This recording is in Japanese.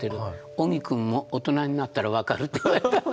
「尾木くんも大人になったら分かる」って言われたの。